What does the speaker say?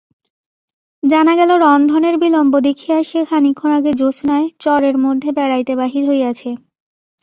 জানা গেল রন্ধনের বিলম্ব দেখিয়া সে খানিকক্ষণ আগে জ্যোৎস্নায় চরের মধ্যে বেড়াইতে বাহির হইয়াছে।